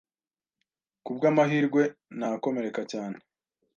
Ku bw’amahirwe ntakomereka cyane